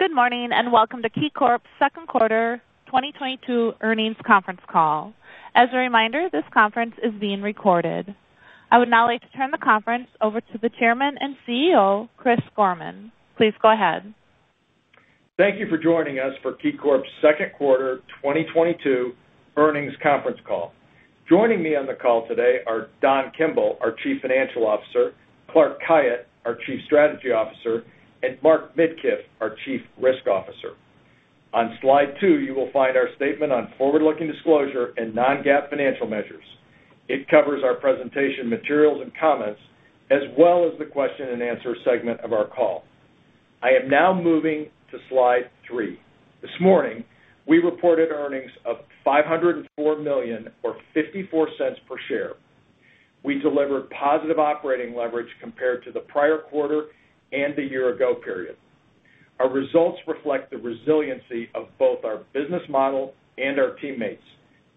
Good morning, and welcome to KeyCorp's second quarter 2022 earnings conference call. As a reminder, this conference is being recorded. I would now like to turn the conference over to the Chairman and CEO, Chris Gorman. Please go ahead. Thank you for joining us for KeyCorp's second quarter 2022 earnings conference call. Joining me on the call today are Don Kimble, our Chief Financial Officer, Clark Khayat, our Chief Strategy Officer, and Mark Midkiff, our Chief Risk Officer. On slide two, you will find our statement on forward-looking disclosure and non-GAAP financial measures. It covers our presentation, materials, and comments as well as the question and answer segment of our call. I am now moving to slide three. This morning, we reported earnings of $504 million or $0.54 per share. We delivered positive operating leverage compared to the prior quarter and the year-ago period. Our results reflect the resiliency of both our business model and our teammates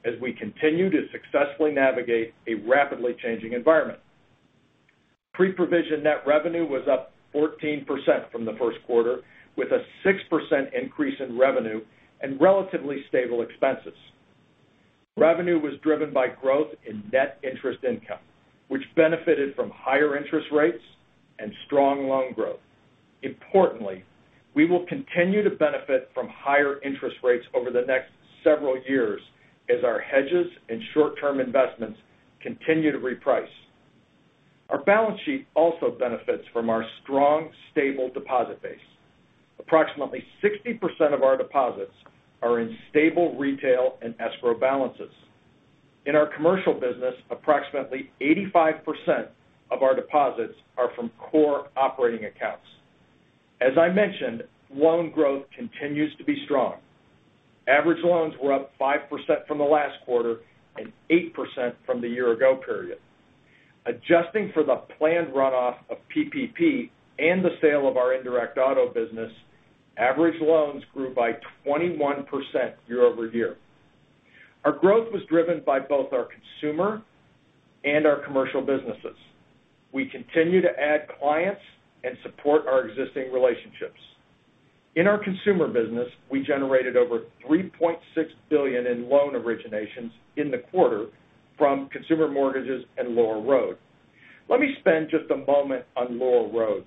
as we continue to successfully navigate a rapidly changing environment. Pre-provision net revenue was up 14% from the first quarter with a 6% increase in revenue and relatively stable expenses. Revenue was driven by growth in Net Interest Income, which benefited from higher interest rates and strong loan growth. Importantly, we will continue to benefit from higher interest rates over the next several years as our hedges and short-term investments continue to reprice. Our balance sheet also benefits from our strong, stable deposit base. Approximately 60% of our deposits are in stable retail and escrow balances. In our commercial business, approximately 85% of our deposits are from core operating accounts. As I mentioned, loan growth continues to be strong. Average loans were up 5% from the last quarter and 8% from the year-ago period. Adjusting for the planned runoff of PPP and the sale of our indirect auto business, average loans grew by 21% year-over-year. Our growth was driven by both our consumer and our commercial businesses. We continue to add clients and support our existing relationships. In our consumer business, we generated over $3.6 billion in loan originations in the quarter from consumer mortgages and Laurel Road. Let me spend just a moment on Laurel Road.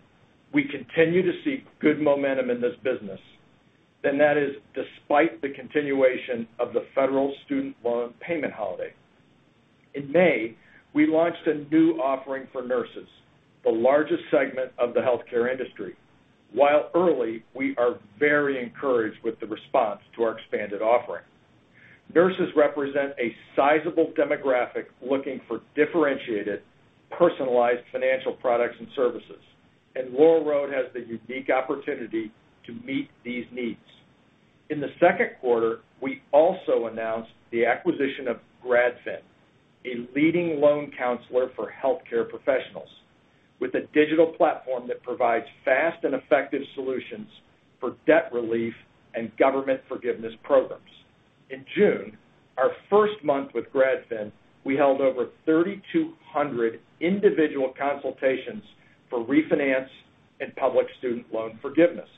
We continue to see good momentum in this business. That is despite the continuation of the federal student loan payment holiday. In May, we launched a new offering for nurses, the largest segment of the healthcare industry. While early, we are very encouraged with the response to our expanded offering. Nurses represent a sizable demographic looking for differentiated, personalized financial products and services. Laurel Road has the unique opportunity to meet these needs. In the second quarter, we also announced the acquisition of GradFin, a leading loan counselor for healthcare professionals with a digital platform that provides fast and effective solutions for debt relief and government forgiveness programs. In June, our first month with GradFin, we held over 3,200 individual consultations for refinance and public student loan forgiveness.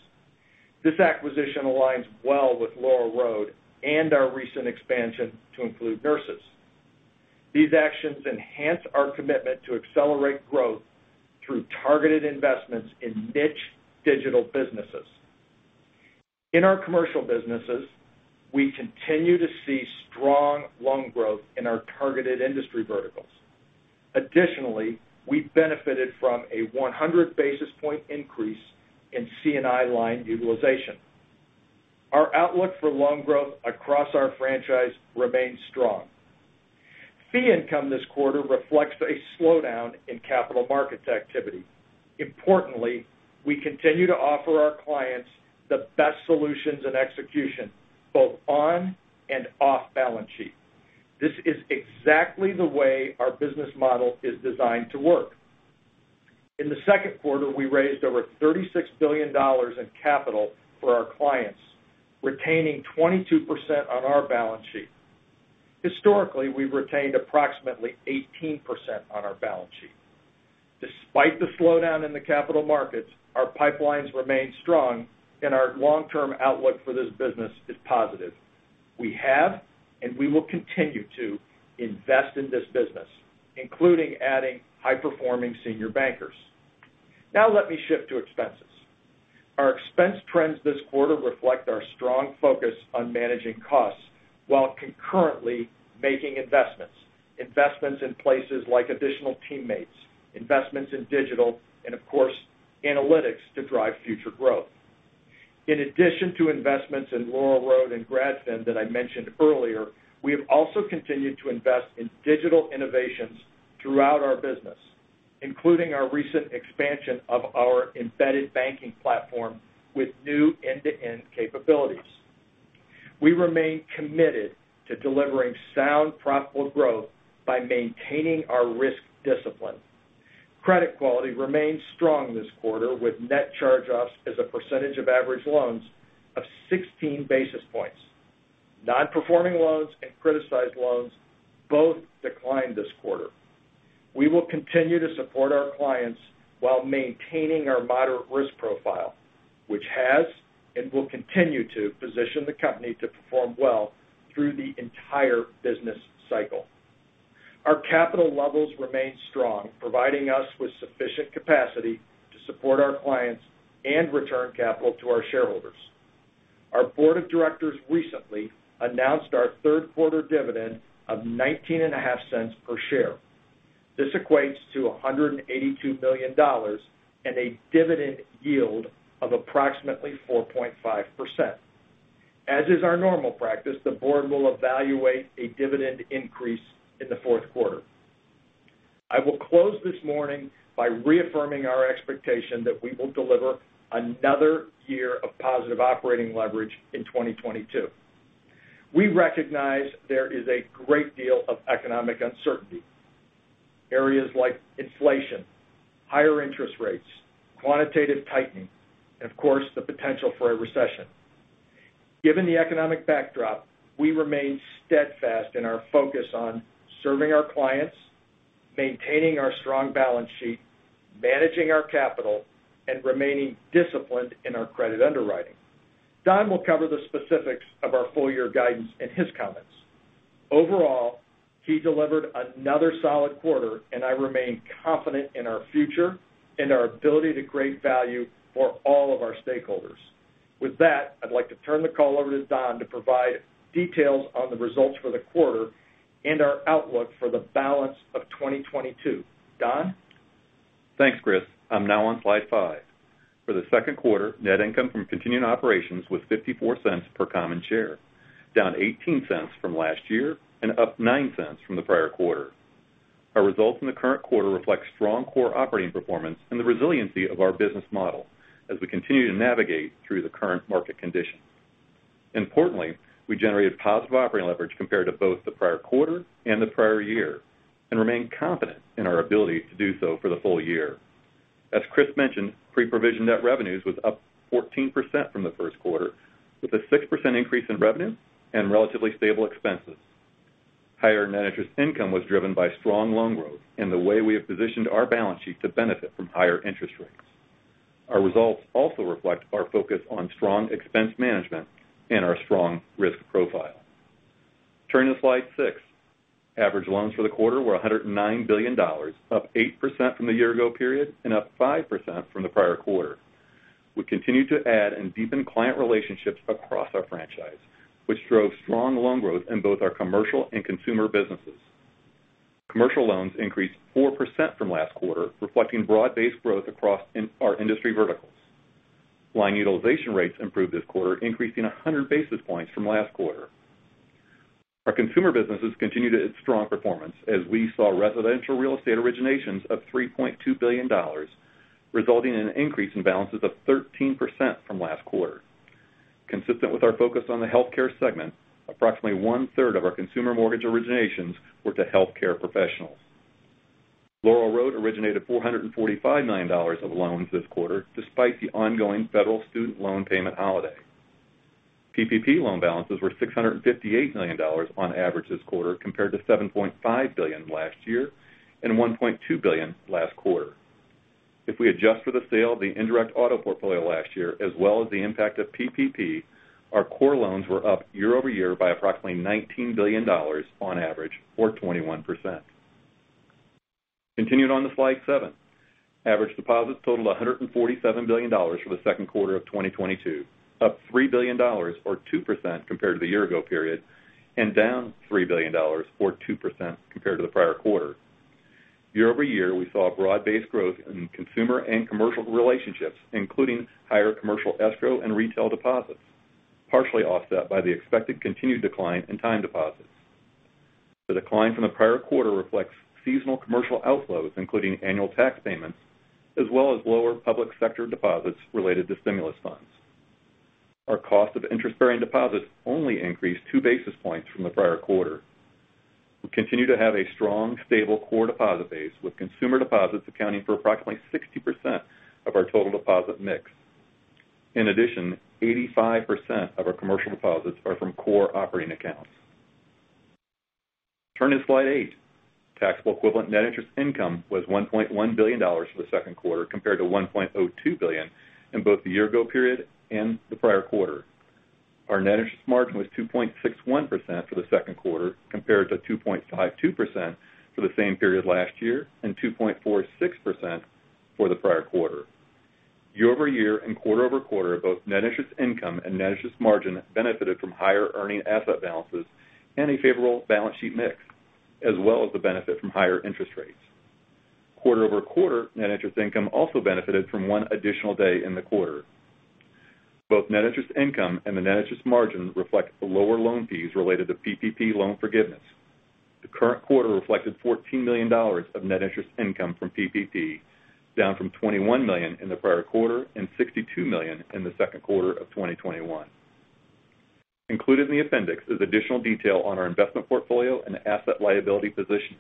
This acquisition aligns well with Laurel Road and our recent expansion to include nurses. These actions enhance our commitment to accelerate growth through targeted investments in niche digital businesses. In our commercial businesses, we continue to see strong loan growth in our targeted industry verticals. Additionally, we benefited from a 100 basis point increase in C&I line utilization. Our outlook for loan growth across our franchise remains strong. Fee income this quarter reflects a slowdown in capital markets activity. Importantly, we continue to offer our clients the best solutions and execution, both on and off balance sheet. This is exactly the way our business model is designed to work. In the second quarter, we raised over $36 billion in capital for our clients, retaining 22% on our balance sheet. Historically, we've retained approximately 18% on our balance sheet. Despite the slowdown in the capital markets, our pipelines remain strong and our long-term outlook for this business is positive. We have, and we will continue to invest in this business, including adding high-performing senior bankers. Now let me shift to expenses. Our expense trends this quarter reflect our strong focus on managing costs while concurrently making investments in places like additional teammates, investments in digital and, of course, analytics to drive future growth. In addition to investments in Laurel Road and GradFin that I mentioned earlier, we have also continued to invest in digital innovations throughout our business, including our recent expansion of our embedded banking platform with new end-to-end capabilities. We remain committed to delivering sound, profitable growth by maintaining our risk discipline. Credit quality remained strong this quarter with net charge-offs as a percentage of average loans of 16 basis points. Non-performing loans and criticized loans both declined this quarter. We will continue to support our clients while maintaining our moderate risk profile, which has and will continue to position the company to perform well through the entire business cycle. Our capital levels remain strong, providing us with sufficient capacity to support our clients and return capital to our shareholders. Our board of directors recently announced our third quarter dividend of $0.195 per share. This equates to $182 million and a dividend yield of approximately 4.5%. As is our normal practice, the board will evaluate a dividend increase in the fourth quarter. I will close this morning by reaffirming our expectation that we will deliver another year of positive operating leverage in 2022. We recognize there is a great deal of economic uncertainty. Areas like inflation, higher interest rates, quantitative tightening, and of course, the potential for a recession. Given the economic backdrop, we remain steadfast in our focus on serving our clients, maintaining our strong balance sheet, managing our capital, and remaining disciplined in our credit underwriting. Don will cover the specifics of our full year guidance in his comments. Overall, he delivered another solid quarter, and I remain confident in our future and our ability to create value for all of our stakeholders. With that, I'd like to turn the call over to Don to provide details on the results for the quarter and our outlook for the balance of 2022. Don? Thanks, Chris. I'm now on slide five. For the second quarter, net income from continuing operations was $0.54 per common share, down $0.18 from last year and up $0.09 from the prior quarter. Our results in the current quarter reflect strong core operating performance and the resiliency of our business model as we continue to navigate through the current market conditions. Importantly, we generated positive operating leverage compared to both the prior quarter and the prior year and remain confident in our ability to do so for the full year. As Chris mentioned, Pre-provision net revenue was up 14% from the first quarter, with a 6% increase in revenue and relatively stable expenses. Higher net interest income was driven by strong loan growth and the way we have positioned our balance sheet to benefit from higher interest rates. Our results also reflect our focus on strong expense management and our strong risk profile. Turning to slide six. Average loans for the quarter were $109 billion, up 8% from the year ago period and up 5% from the prior quarter. We continued to add and deepen client relationships across our franchise, which drove strong loan growth in both our commercial and consumer businesses. Commercial loans increased 4% from last quarter, reflecting broad-based growth across our industry verticals. Line utilization rates improved this quarter, increasing 100 basis points from last quarter. Our consumer businesses continued its strong performance as we saw residential real estate originations of $3.2 billion, resulting in an increase in balances of 13% from last quarter. Consistent with our focus on the healthcare segment, approximately 1/3 of our consumer mortgage originations were to healthcare professionals. Laurel Road originated $445 million of loans this quarter, despite the ongoing federal student loan payment holiday. PPP loan balances were $658 million on average this quarter compared to $7.5 billion last year and $1.2 billion last quarter. If we adjust for the sale of the indirect auto portfolio last year as well as the impact of PPP, our core loans were up year-over-year by approximately $19 billion on average or 21%. Continuing on to slide seven. Average deposits totaled $147 billion for the second quarter of 2022, up $3 billion or 2% compared to the year-ago period, and down $3 billion or 2% compared to the prior quarter. Year-over-year, we saw broad-based growth in consumer and commercial relationships, including higher commercial escrow and retail deposits, partially offset by the expected continued decline in time deposits. The decline from the prior quarter reflects seasonal commercial outflows, including annual tax payments, as well as lower public sector deposits related to stimulus funds. Our cost of interest-bearing deposits only increased two basis points from the prior quarter. We continue to have a strong, stable core deposit base, with consumer deposits accounting for approximately 60% of our total deposit mix. In addition, 85% of our commercial deposits are from core operating accounts. Turning to slide eight. Taxable equivalent net interest income was $1.1 billion for the second quarter compared to $1.02 billion in both the year-ago period and the prior quarter. Our net interest margin was 2.61% for the second quarter compared to 2.52% for the same period last year and 2.46% for the prior quarter. Year-over-year and quarter-over-quarter, both net interest income and net interest margin benefited from higher earning asset balances and a favorable balance sheet mix, as well as the benefit from higher interest rates. Quarter-over-quarter, net interest income also benefited from one additional day in the quarter. Both net interest income and the net interest margin reflect the lower loan fees related to PPP loan forgiveness. The current quarter reflected $14 million of net interest income from PPP, down from $21 million in the prior quarter and $62 million in the second quarter of 2021. Included in the appendix is additional detail on our investment portfolio and asset liability position.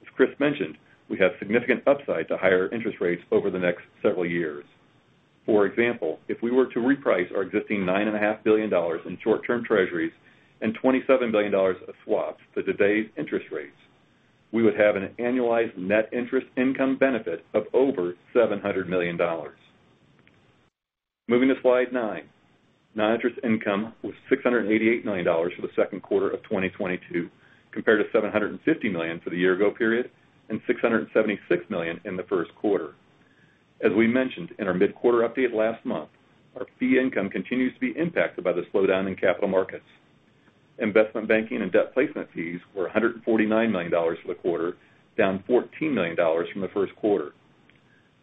As Chris mentioned, we have significant upside to higher interest rates over the next several years. For example, if we were to reprice our existing $9.5 billion in short-term treasuries and $27 billion of swaps to today's interest rates, we would have an annualized net interest income benefit of over $700 million. Moving to slide nine. Non-interest income was $688 million for the second quarter of 2022, compared to $750 million for the year ago period and $676 million in the first quarter. As we mentioned in our mid-quarter update last month, our fee income continues to be impacted by the slowdown in capital markets. Investment banking and debt placement fees were $149 million for the quarter, down $14 million from the first quarter.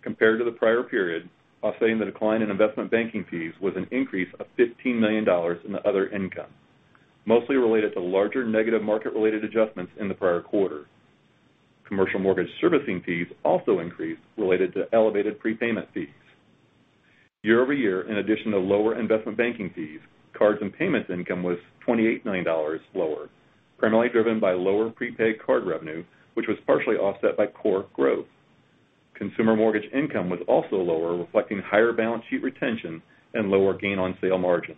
Compared to the prior period, offsetting the decline in investment banking fees was an increase of $15 million in the other income, mostly related to larger negative market-related adjustments in the prior quarter. Commercial mortgage servicing fees also increased related to elevated prepayment fees. Year-over-year, in addition to lower investment banking fees, cards and payments income was $28 million lower, primarily driven by lower prepaid card revenue, which was partially offset by core growth. Consumer mortgage income was also lower, reflecting higher balance sheet retention and lower gain on sale margins.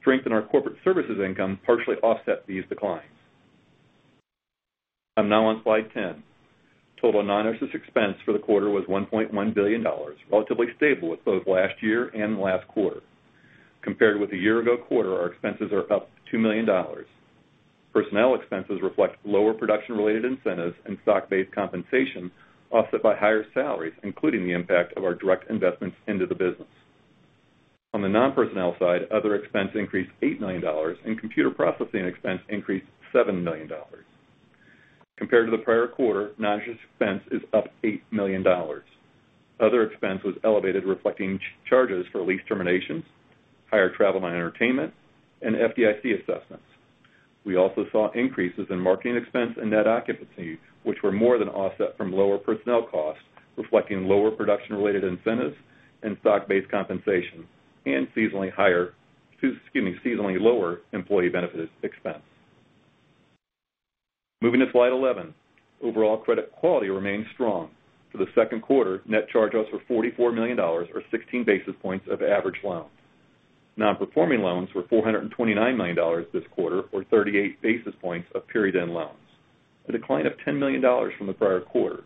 Strength in our corporate services income partially offset these declines. I'm now on slide 10. Total noninterest expense for the quarter was $1.1 billion, relatively stable with both last year and last quarter. Compared with the year ago quarter, our expenses are up $2 million. Personnel expenses reflect lower production-related incentives and stock-based compensation offset by higher salaries, including the impact of our direct investments into the business. On the non-personnel side, other expense increased $8 million and computer processing expense increased $7 million. Compared to the prior quarter, noninterest expense is up $8 million. Other expense was elevated, reflecting charges for lease terminations, higher travel and entertainment, and FDIC assessments. We also saw increases in marketing expense and net occupancy, which were more than offset from lower personnel costs, reflecting lower production-related incentives and stock-based compensation and excuse me, seasonally lower employee benefits expense. Moving to slide 11. Overall credit quality remains strong. For the second quarter, net charge-offs were $44 million or 16 basis points of average loans. Non-performing loans were $429 million this quarter or 38 basis points of period-end loans, a decline of $10 million from the prior quarter.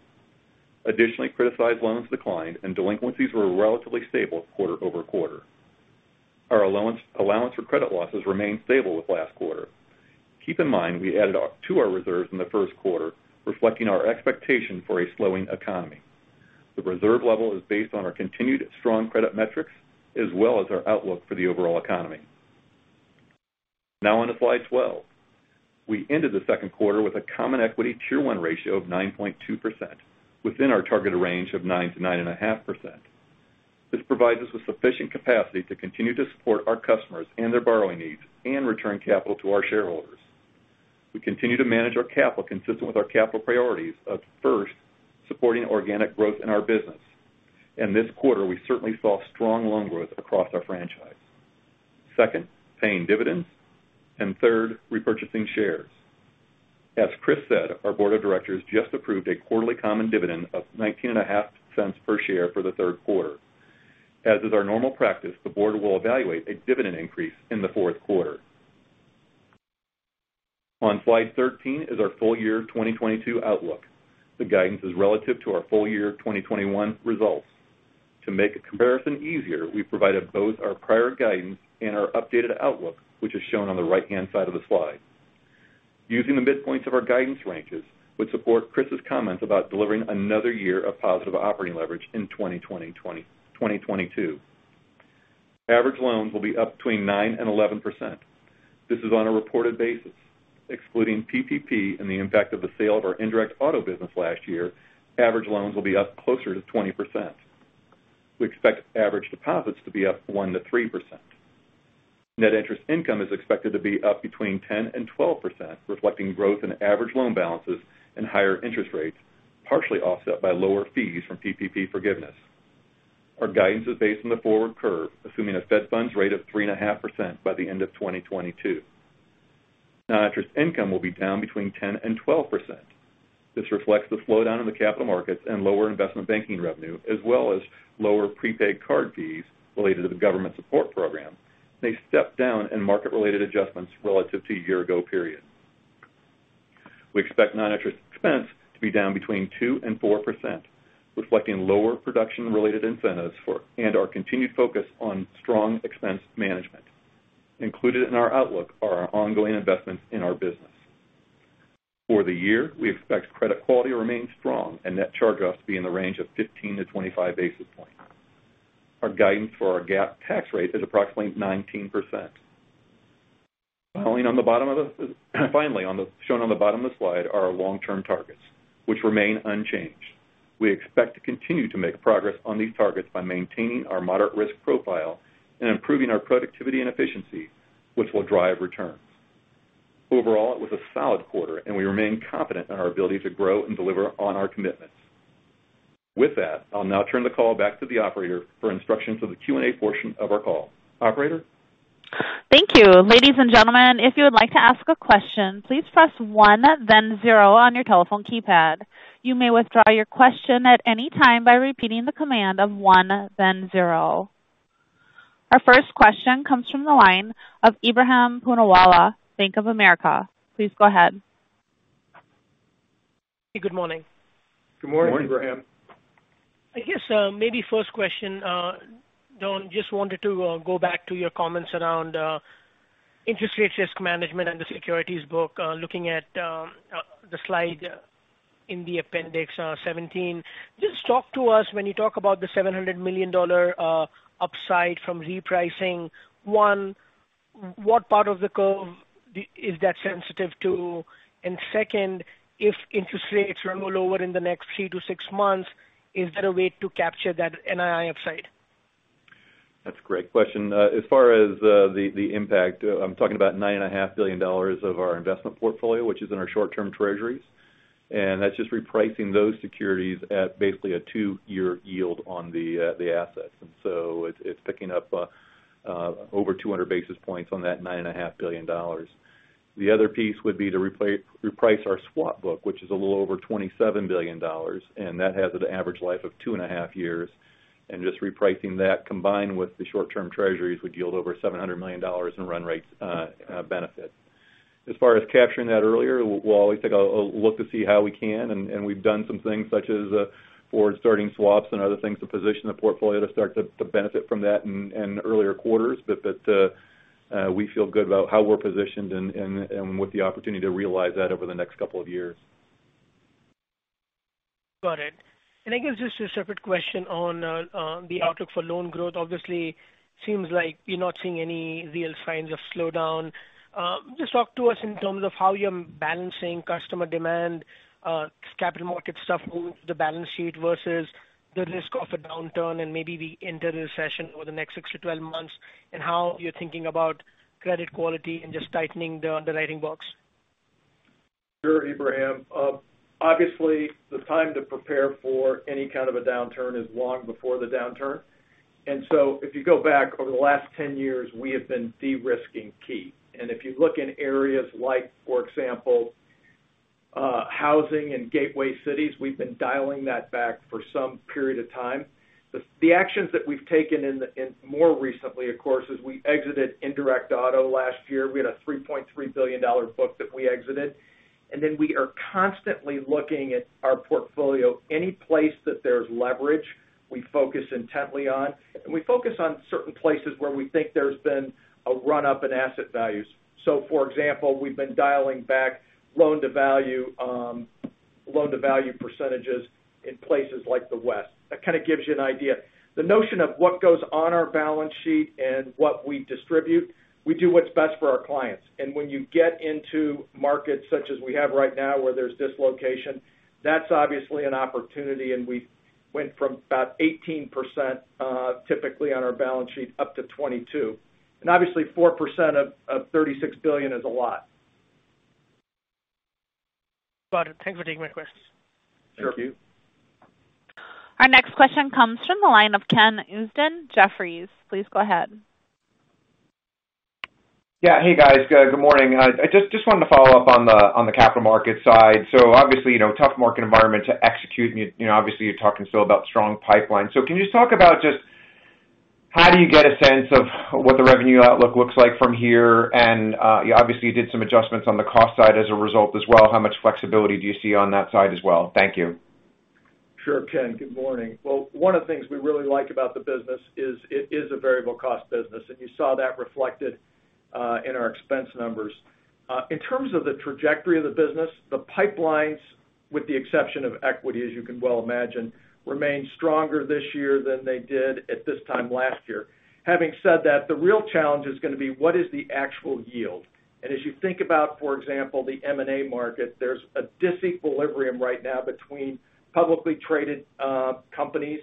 Additionally, criticized loans declined and delinquencies were relatively stable quarter-over-quarter. Our allowance for credit losses remained stable with last quarter. Keep in mind, we added to our reserves in the first quarter, reflecting our expectation for a slowing economy. The reserve level is based on our continued strong credit metrics as well as our outlook for the overall economy. Now on to slide 12. We ended the second quarter with a Common Equity Tier 1 ratio of 9.2% within our targeted range of 9%-9.5%. This provides us with sufficient capacity to continue to support our customers and their borrowing needs and return capital to our shareholders. We continue to manage our capital consistent with our capital priorities of, first, supporting organic growth in our business. This quarter, we certainly saw strong loan growth across our franchise. Second, paying dividends. Third, repurchasing shares. As Chris said, our board of directors just approved a quarterly common dividend of $0.195 per share for the third quarter. As is our normal practice, the board will evaluate a dividend increase in the fourth quarter. On slide 13 is our full year 2022 outlook. The guidance is relative to our full year 2021 results. To make a comparison easier, we provided both our prior guidance and our updated outlook, which is shown on the right-hand side of the slide. Using the midpoints of our guidance ranges would support Chris's comments about delivering another year of positive operating leverage in 2022. Average loans will be up between 9% and 11%. This is on a reported basis. Excluding PPP and the impact of the sale of our indirect auto business last year, average loans will be up closer to 20%. We expect average deposits to be up 1%-3%. Net interest income is expected to be up between 10% and 12%, reflecting growth in average loan balances and higher interest rates, partially offset by lower fees from PPP forgiveness. Our guidance is based on the forward curve, assuming a Fed funds rate of 3.5% by the end of 2022. Non-interest income will be down between 10% and 12%. This reflects the slowdown in the capital markets and lower investment banking revenue, as well as lower prepaid card fees related to the government support program. They step down in market-related adjustments relative to a year ago period. We expect non-interest expense to be down between 2% and 4%, reflecting lower production-related incentives and our continued focus on strong expense management. Included in our outlook are our ongoing investments in our business. For the year, we expect credit quality to remain strong and net charge-offs to be in the range of 15-25 basis points. Our guidance for our GAAP tax rate is approximately 19%. Finally, shown on the bottom of the slide are our long-term targets, which remain unchanged. We expect to continue to make progress on these targets by maintaining our moderate risk profile and improving our productivity and efficiency, which will drive returns. Overall, it was a solid quarter, and we remain confident in our ability to grow and deliver on our commitments. With that, I'll now turn the call back to the operator for instructions for the Q&A portion of our call. Operator? Thank you. Ladies and gentlemen, if you would like to ask a question, please press one, then zero on your telephone keypad. You may withdraw your question at any time by repeating the command of one, then zero. Our first question comes from the line of Ebrahim Poonawala, Bank of America. Please go ahead. Good morning. Good morning, Ebrahim. I guess, maybe first question, Don, just wanted to go back to your comments around interest rate risk management and the securities book, looking at the slide in the appendix, 17. Just talk to us when you talk about the $700 million upside from repricing. One, what part of the curve is that sensitive to? And second, if interest rates roll over in the next three to six months, is there a way to capture that NII upside? That's a great question. As far as the impact, I'm talking about $9.5 billion of our investment portfolio, which is in our short-term treasuries. That's just repricing those securities at basically a two-year yield on the assets. It's picking up over 200 basis points on that $9.5 billion. The other piece would be to reprice our swap book, which is a little over $27 billion, and that has an average life of two and a half years. Just repricing that combined with the short-term treasuries would yield over $700 million in run rate benefit. As far as capturing that earlier, we'll always take a look to see how we can. We've done some things such as forward-starting swaps and other things to position the portfolio to start to benefit from that in earlier quarters. We feel good about how we're positioned and with the opportunity to realize that over the next couple of years. Got it. I guess just a separate question on the outlook for loan growth. Obviously, seems like you're not seeing any real signs of slowdown. Just talk to us in terms of how you're balancing customer demand, capital market stuff, the balance sheet versus the risk of a downturn and maybe the end of the recession over the next 6-12 months, and how you're thinking about credit quality and just tightening the underwriting box. Sure, Ebrahim. Obviously, the time to prepare for any kind of a downturn is long before the downturn. If you go back over the last ten years, we have been de-risking Key. If you look in areas like, for example, housing and gateway cities, we've been dialing that back for some period of time. The actions that we've taken in more recently, of course, is we exited indirect auto last year. We had a $3.3 billion book that we exited. We are constantly looking at our portfolio. Any place that there's leverage, we focus intently on. We focus on certain places where we think there's been a run up in asset values. For example, we've been dialing back loan-to-value percentages in places like the West. That kind of gives you an idea. The notion of what goes on our balance sheet and what we distribute, we do what's best for our clients. When you get into markets such as we have right now where there's dislocation, that's obviously an opportunity, and we went from about 18%, typically, on our balance sheet up to 22%. Obviously, 4% of $36 billion is a lot. Got it. Thanks for taking my questions. Sure. Our next question comes from the line of Ken Usdin, Jefferies. Please go ahead. Yeah. Hey, guys. Good morning. I just wanted to follow up on the capital market side. Obviously, you know, tough market environment to execute. You know, obviously, you're talking still about strong pipeline. Can you just talk about just how do you get a sense of what the revenue outlook looks like from here? You obviously did some adjustments on the cost side as a result as well. How much flexibility do you see on that side as well? Thank you. Sure, Ken. Good morning. Well, one of the things we really like about the business is it is a variable cost business, and you saw that reflected in our expense numbers. In terms of the trajectory of the business, the pipelines, with the exception of equity, as you can well imagine, remain stronger this year than they did at this time last year. Having said that, the real challenge is going to be what is the actual yield. As you think about, for example, the M&A market, there's a disequilibrium right now between publicly traded companies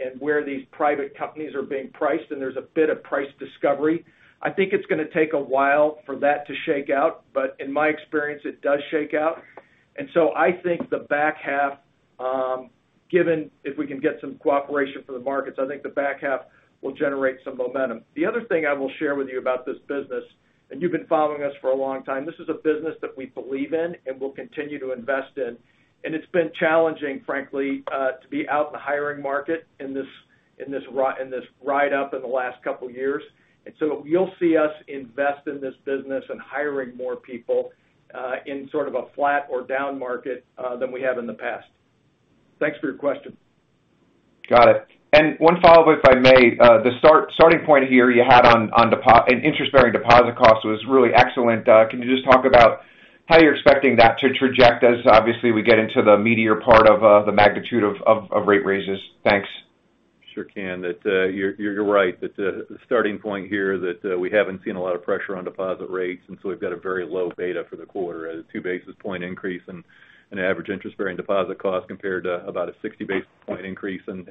and where these private companies are being priced, and there's a bit of price discovery. I think it's going to take a while for that to shake out, but in my experience, it does shake out. I think the back half, given if we can get some cooperation from the markets, I think the back half will generate some momentum. The other thing I will share with you about this business, and you've been following us for a long time. This is a business that we believe in and will continue to invest in. It's been challenging, frankly, to be out in the hiring market in this ride up in the last couple of years. You'll see us invest in this business and hiring more people in sort of a flat or down market than we have in the past. Thanks for your question. Got it. One follow-up, if I may. The starting point here you had on interest-bearing deposit costs was really excellent. Can you just talk about how you're expecting that to trajectory as obviously we get into the meatier part of the magnitude of rate raises? Thanks. Sure can. You're right that the starting point here, we haven't seen a lot of pressure on deposit rates, and so we've got a very low beta for the quarter as a 2 basis point increase in average interest bearing deposit cost compared to about a 60 basis point increase in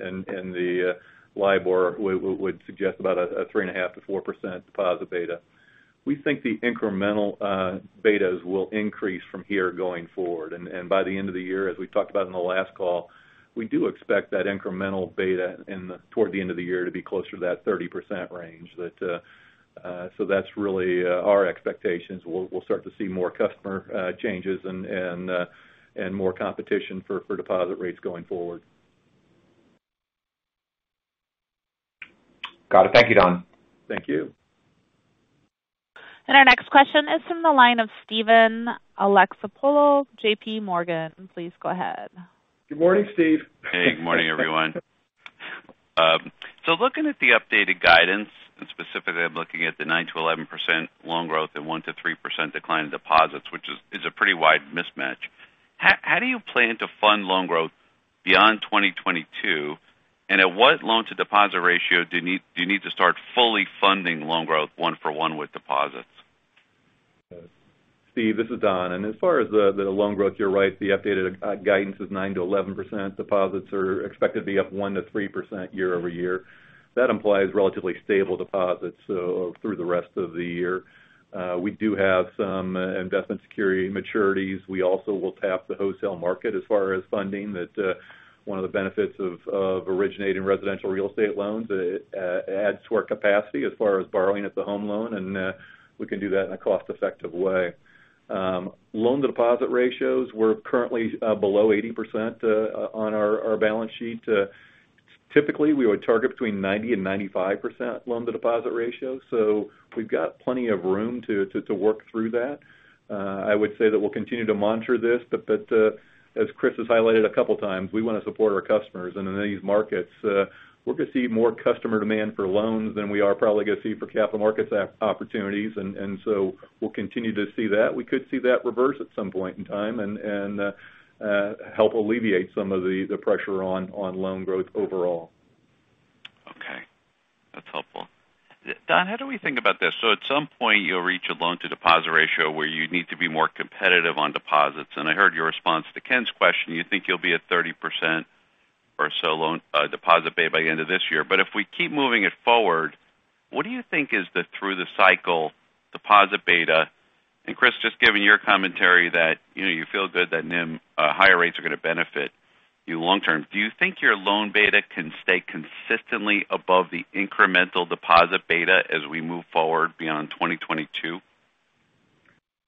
the LIBOR would suggest about a 3.5%-4% deposit beta. We think the incremental betas will increase from here going forward. By the end of the year, as we talked about in the last call, we do expect that incremental beta toward the end of the year to be closer to that 30% range that. That's really our expectations. We'll start to see more customer changes and more competition for deposit rates going forward. Got it. Thank you, Don. Thank you. Our next question is from the line of Steven Alexopoulos, JPMorgan. Please go ahead. Good morning, Steve. Hey, good morning, everyone. Looking at the updated guidance, and specifically I'm looking at the 9%-11% loan growth and 1%-3% decline in deposits, which is a pretty wide mismatch. How do you plan to fund loan growth beyond 2022? And at what loan to deposit ratio do you need to start fully funding loan growth one for one with deposits? Steve, this is Don. As far as the loan growth, you're right, the updated guidance is 9%-11%. Deposits are expected to be up 1%-3% year-over-year. That implies relatively stable deposits through the rest of the year. We do have some investment security maturities. We also will tap the wholesale market as far as funding that, one of the benefits of originating residential real estate loans adds to our capacity as far as borrowing at the Federal Home Loan Bank, and we can do that in a cost-effective way. Loan to deposit ratios, we're currently below 80% on our balance sheet. Typically, we would target between 90% and 95% loan to deposit ratio. We've got plenty of room to work through that. I would say that we'll continue to monitor this, but as Chris has highlighted a couple times, we want to support our customers. In these markets, we're going to see more customer demand for loans than we are probably going to see for capital markets opportunities. We'll continue to see that. We could see that reverse at some point in time and help alleviate some of the pressure on loan growth overall. Okay. That's helpful. Don, how do we think about this? At some point, you'll reach a loan to deposit ratio where you need to be more competitive on deposits. I heard your response to Ken's question. You think you'll be at 30% or so loan deposit beta by end of this year. If we keep moving it forward, what do you think is the through the cycle deposit beta? Chris, just given your commentary that, you know, you feel good that NIM higher rates are going to benefit you long term, do you think your loan beta can stay consistently above the incremental deposit beta as we move forward beyond 2022?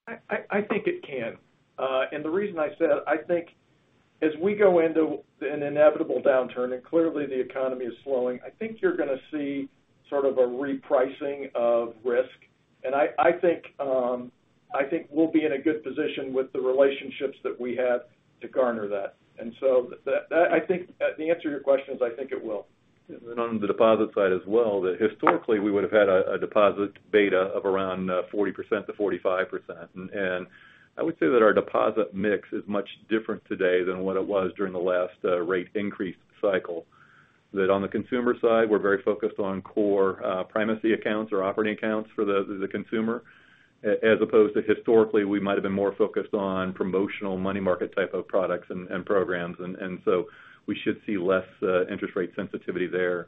I think it can. The reason I say that, I think as we go into an inevitable downturn, and clearly the economy is slowing, I think you're gonna see sort of a repricing of risk. I think we'll be in a good position with the relationships that we have to garner that. That, I think, the answer to your question is I think it will. On the deposit side as well, that historically we would have had a deposit beta of around 40%-45%. I would say that our deposit mix is much different today than what it was during the last rate increase cycle. On the consumer side, we're very focused on core primary accounts or operating accounts for the consumer, as opposed to historically, we might have been more focused on promotional money market type of products and programs. We should see less interest rate sensitivity there.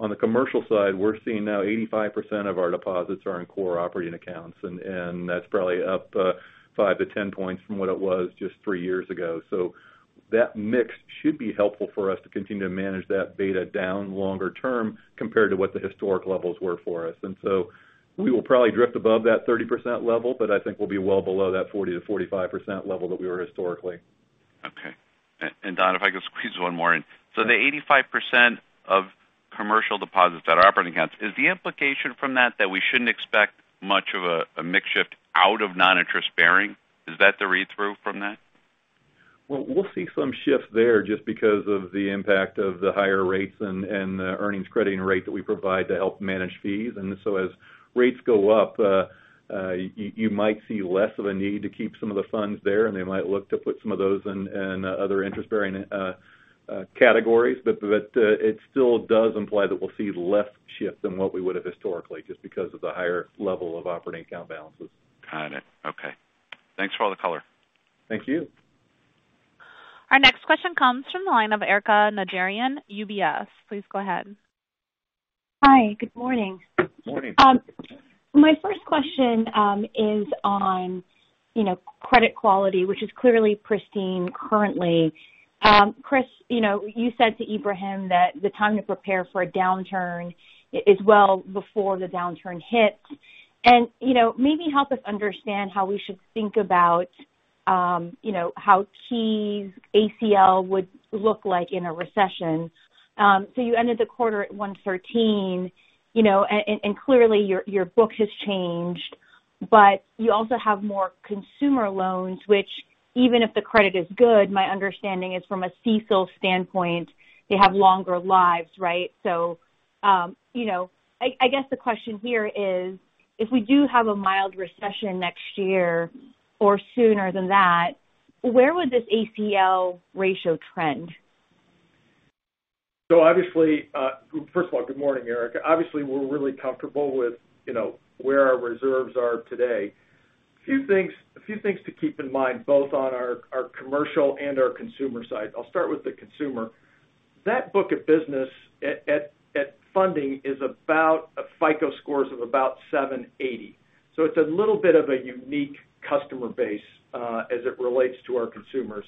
On the commercial side, we're seeing now 85% of our deposits are in core operating accounts, and that's probably up 5-10 points from what it was just three years ago. That mix should be helpful for us to continue to manage that beta down longer term compared to what the historic levels were for us. We will probably drift above that 30% level, but I think we'll be well below that 40%-45% level that we were historically. Okay. And Don, if I could squeeze one more in. The 85% of commercial deposits that are operating accounts, is the implication from that that we shouldn't expect much of a mix shift out of non-interest bearing? Is that the read-through from that? Well, we'll see some shifts there just because of the impact of the higher rates and the Earnings Credit Rate that we provide to help manage fees. As rates go up, you might see less of a need to keep some of the funds there, and they might look to put some of those in other interest-bearing categories. It still does imply that we'll see less shift than what we would have historically just because of the higher level of operating account balances. Got it. Okay. Thanks for all the color. Thank you. Our next question comes from the line of Erika Najarian, UBS. Please go ahead. Hi, good morning. Morning. My first question is on, you know, credit quality, which is clearly pristine currently. Chris, you know, you said to Ebrahim that the time to prepare for a downturn is well before the downturn hits. You know, maybe help us understand how we should think about, you know, how Key's ACL would look like in a recession. You ended the quarter at 1.13, you know, and clearly your book has changed, but you also have more consumer loans, which even if the credit is good, my understanding is from a CECL standpoint, they have longer lives, right? You know, I guess the question here is, if we do have a mild recession next year or sooner than that, where would this ACL ratio trend? Obviously, first of all, good morning, Erika. We're really comfortable with, you know, where our reserves are today. A few things to keep in mind, both on our commercial and our consumer side. I'll start with the consumer. That book of business at funding is about FICO scores of about 780. It's a little bit of a unique customer base, as it relates to our consumers.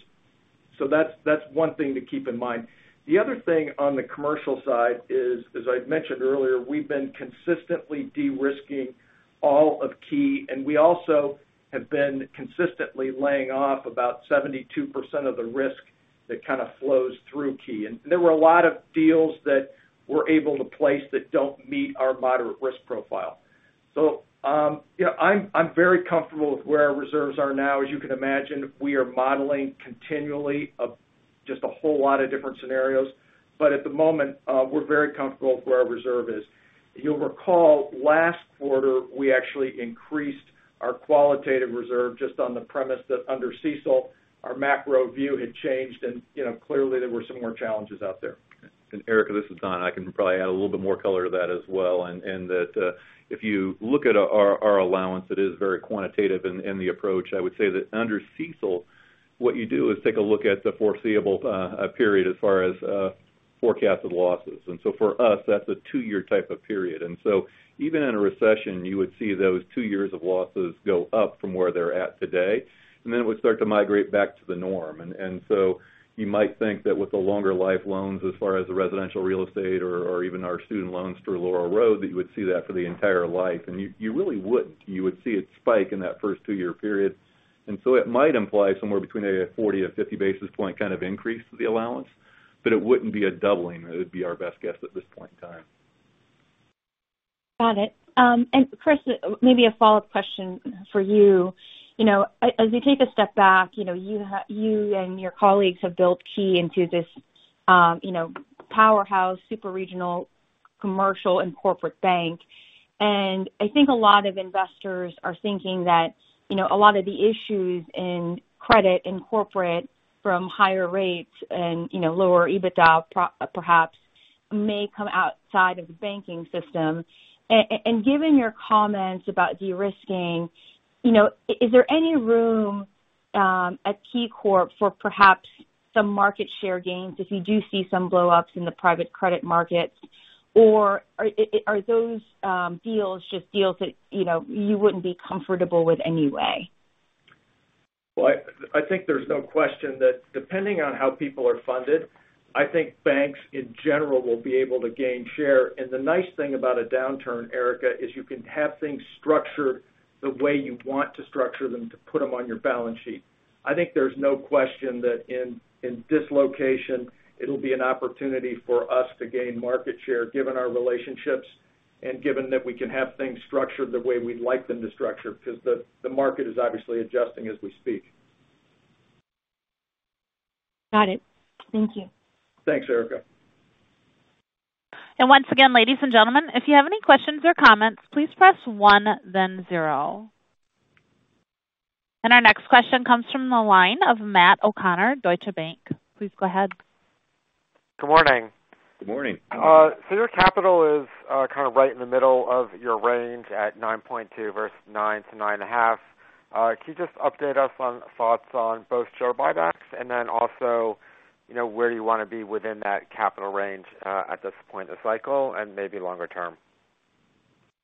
That's one thing to keep in mind. The other thing on the commercial side is, as I've mentioned earlier, we've been consistently de-risking all of Key, and we also have been consistently laying off about 72% of the risk that kind of flows through Key. There were a lot of deals that we're able to place that don't meet our moderate risk profile. You know, I'm very comfortable with where our reserves are now. As you can imagine, we are modeling continually of just a whole lot of different scenarios. At the moment, we're very comfortable with where our reserve is. You'll recall last quarter, we actually increased our qualitative reserve just on the premise that under CECL, our macro view had changed and, you know, clearly there were some more challenges out there. Erika, this is Don. I can probably add a little bit more color to that as well if you look at our allowance, it is very quantitative in the approach. I would say that under CECL, what you do is take a look at the foreseeable period as far as forecasted losses. For us, that's a two-year type of period. Even in a recession, you would see those two years of losses go up from where they're at today, and then it would start to migrate back to the norm. You might think that with the longer life loans as far as the residential real estate or even our student loans through Laurel Road, that you would see that for the entire life. You really wouldn't. You would see it spike in that first two-year period. It might imply somewhere between a 40 or 50 basis point kind of increase to the allowance. It wouldn't be a doubling. It would be our best guess at this point in time. Got it. Chris, maybe a follow-up question for you. As we take a step back, you and your colleagues have built Key into this powerhouse, super regional commercial and corporate bank. I think a lot of investors are thinking that a lot of the issues in credit and corporate from higher rates and lower EBITDA perhaps may come outside of the banking system. Given your comments about de-risking, is there any room at KeyCorp for perhaps some market share gains if you do see some blow-ups in the private credit markets? Or are those deals just deals that you wouldn't be comfortable with anyway? Well, I think there's no question that depending on how people are funded, I think banks in general will be able to gain share. The nice thing about a downturn, Erika, is you can have things structured the way you want to structure them to put them on your balance sheet. I think there's no question that in this location, it'll be an opportunity for us to gain market share, given our relationships and given that we can have things structured the way we'd like them to structure because the market is obviously adjusting as we speak. Got it. Thank you. Thanks, Erika. Once again, ladies and gentlemen, if you have any questions or comments, please press one then zero. Our next question comes from the line of Matt O'Connor, Deutsche Bank. Please go ahead. Good morning. Good morning. Your capital is kind of right in the middle of your range at 9.2% versus 9%-9.5%. Can you just update us on thoughts on both share buybacks and then also, you know, where you want to be within that capital range, at this point in the cycle and maybe longer term?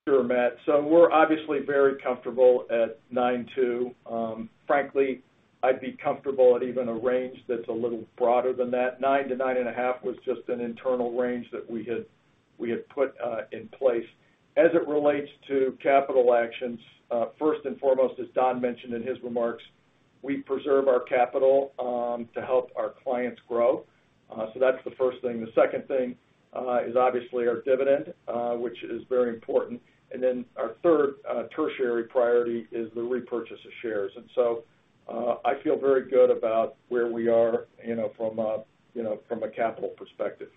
Sure, Matt. We're obviously very comfortable at 9.2%. Frankly, I'd be comfortable at even a range that's a little broader than that. 9%-9.5% was just an internal range that we had put in place. As it relates to capital actions, first and foremost, as Don mentioned in his remarks, we preserve our capital to help our clients grow. That's the first thing. The second thing is obviously our dividend, which is very important. Our third tertiary priority is the repurchase of shares. I feel very good about where we are, you know, from a capital perspective.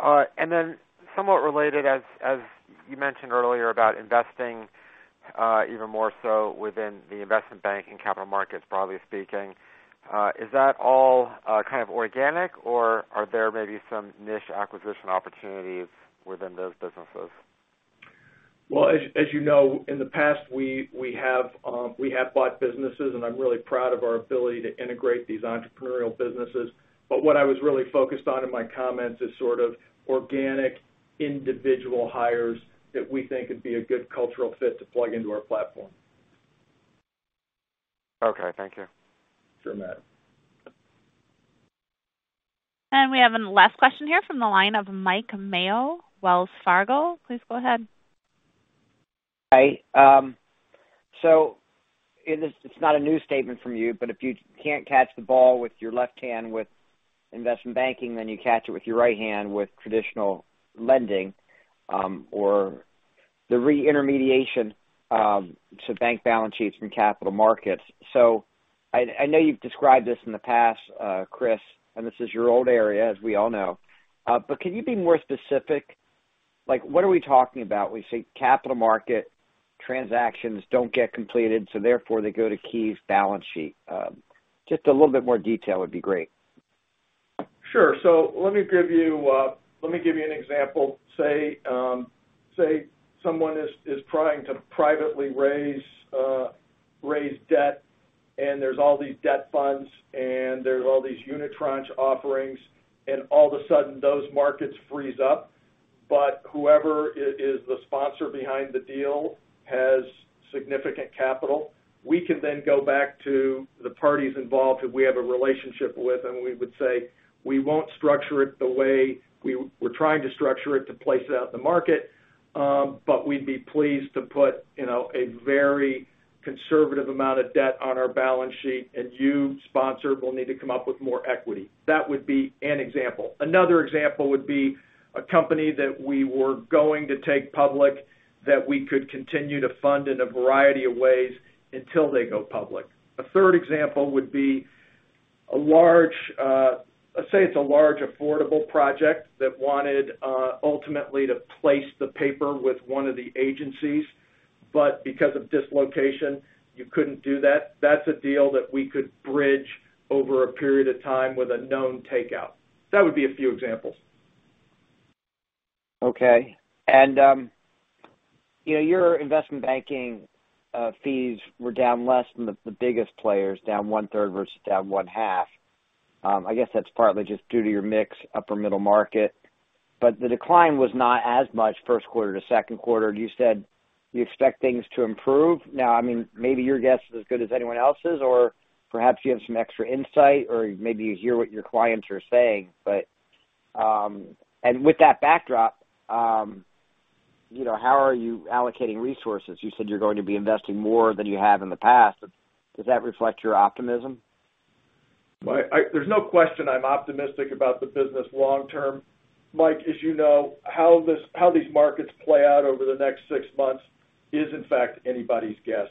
All right. Somewhat related, as you mentioned earlier about investing, even more so within the investment bank and capital markets, broadly speaking, is that all kind of organic or are there maybe some niche acquisition opportunities within those businesses? Well, as you know, in the past, we have bought businesses, and I'm really proud of our ability to integrate these entrepreneurial businesses. What I was really focused on in my comments is sort of organic individual hires that we think would be a good cultural fit to plug into our platform. Okay. Thank you. Sure, Matt. We have a last question here from the line of Mike Mayo, Wells Fargo. Please go ahead. Hi. It's not a new statement from you, but if you can't catch the ball with your left hand with investment banking, then you catch it with your right hand with traditional lending, or the re-intermediation to bank balance sheets from capital markets. I know you've described this in the past, Chris, and this is your old area, as we all know. But can you be more specific? Like, what are we talking about when we say capital market transactions don't get completed, so therefore they go to Key's balance sheet? Just a little bit more detail would be great. Sure. Let me give you an example. Say someone is trying to privately raise debt, and there's all these debt funds, and there's all these Unitranche offerings, and all of a sudden those markets freeze up. Whoever is the sponsor behind the deal has significant capital. We can then go back to the parties involved who we have a relationship with, and we would say, "We won't structure it the way we're trying to structure it to place it out in the market, but we'd be pleased to put, you know, a very conservative amount of debt on our balance sheet, and you, sponsor, will need to come up with more equity." That would be an example. Another example would be a company that we were going to take public that we could continue to fund in a variety of ways until they go public. A third example would be a large, let's say it's a large affordable project that wanted, ultimately to place the paper with one of the agencies, but because of dislocation, you couldn't do that. That's a deal that we could bridge over a period of time with a known takeout. That would be a few examples. Okay. You know, your investment banking fees were down less than the biggest players, down one-third versus down one-half. I guess that's partly just due to your mix upper middle market, but the decline was not as much first quarter to second quarter. You said you expect things to improve. Now, I mean, maybe your guess is as good as anyone else's, or perhaps you have some extra insight, or maybe you hear what your clients are saying. With that backdrop, you know, how are you allocating resources? You said you're going to be investing more than you have in the past. Does that reflect your optimism? Well, there's no question I'm optimistic about the business long term. Mike, as you know, how these markets play out over the next 6 months is, in fact, anybody's guess.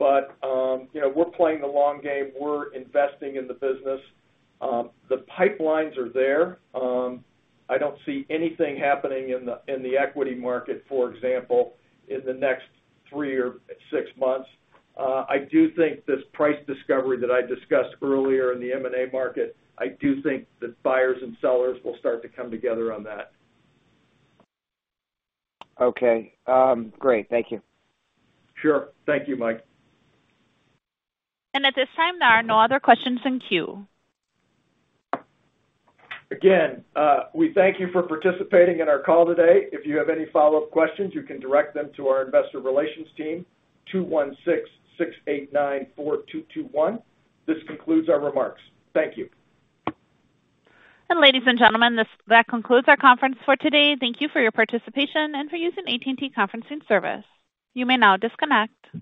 You know, we're playing the long game. We're investing in the business. The pipelines are there. I don't see anything happening in the equity market, for example, in the next three or six months. I do think this price discovery that I discussed earlier in the M&A market. I do think that buyers and sellers will start to come together on that. Okay. Great. Thank you. Sure. Thank you, Mike. At this time, there are no other questions in queue. Again, we thank you for participating in our call today. If you have any follow-up questions, you can direct them to our investor relations team, 216-689-4221. This concludes our remarks. Thank you. Ladies and gentlemen, that concludes our conference for today. Thank you for your participation and for using AT&T conferencing service. You may now disconnect.